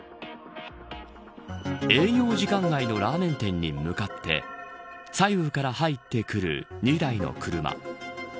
営業時間外のラーメン店に向かって左右から入ってくる２台の車。